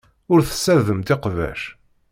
Ur tessardemt iqbac.